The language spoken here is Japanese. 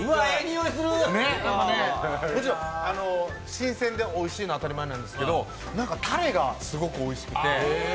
新鮮でおいしいのは当たり前なんですけどタレがすごくおいしくて。